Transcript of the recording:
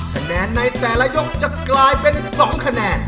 คะแนนในแต่ละยกจะกลายเป็น๒คะแนน